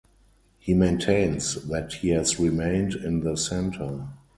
He maintains that he has remained in the centre.